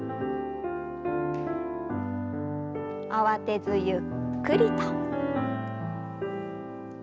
慌てずゆっくりと。